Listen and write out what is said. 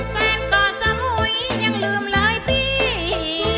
แฟนก่อนสักหน่วยยังลืมเลยพี่